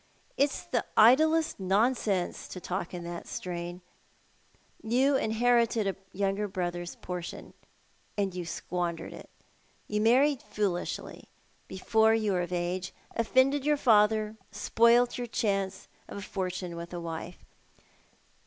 It's the idlest nonsense to talk in tliat strain. You inherited a younger brother's portion— and you squandered it. You married foolishly. Home Quest ions. 267 before you were of acre — ofFonrled. your father, and spoilt your chance of a fortune with a wife.